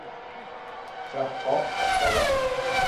กระเพาะปัสสาวะ